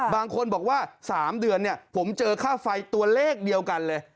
บางคนบอกว่า๓เดือนผมเจอค่าไฟตัวเลขเดียวกันเลย